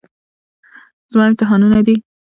زما امتحانونه دي.